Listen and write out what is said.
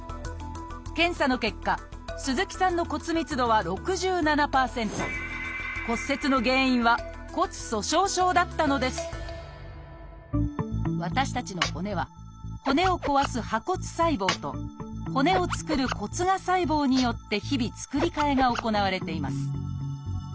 検査の結果鈴木さんの骨折の原因は骨粗しょう症だったのです私たちの骨は骨を壊す「破骨細胞」と骨を作る「骨芽細胞」によって日々作り替えが行われています。